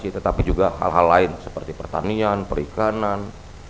tetapi juga hal hal lain seperti pertanian perikanan